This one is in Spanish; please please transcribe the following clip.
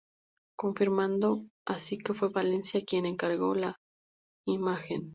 Confirmando así que fue Valencia quien encargo la imagen.